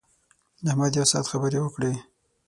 احمد یو ساعت خبرې وکړې.